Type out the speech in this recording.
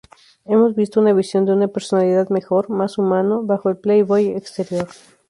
Hemos visto una visión de una personalidad mejor, más humano bajo el playboy exterior.